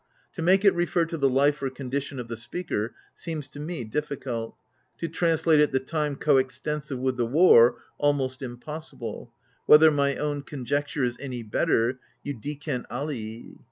To make it refer to the life or condition of the speaker seems to me difficult ; to translate it "the time co extensive with the war" almost impossible : whether my own conjecture is any better, iudicent alii.